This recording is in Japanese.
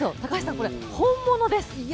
これ、本物です。